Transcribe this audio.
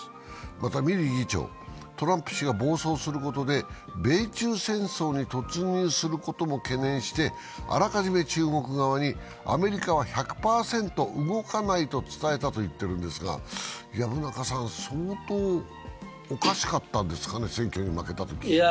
またミリー議長、トランプ氏が暴走することで米中戦争に突入することを懸念して、あらかじめ中国側にアメリカは１００％動かないと伝えたと言っているんですが、薮中さん、相当おかしかったんですかね、選挙に負けたとき。